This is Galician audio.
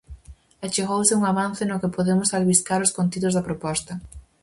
Achegouse un avance no que podemos albiscar os contidos da proposta.